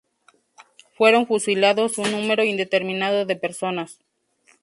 Fueron fusilados un número indeterminado de personas.